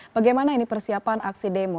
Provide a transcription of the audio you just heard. bagaimana ini persiapan aksi demo